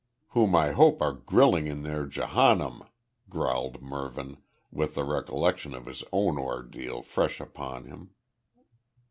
"Whom I hope are grilling in their Jehanum," growled Mervyn, with the recollection of his own ordeal fresh upon him.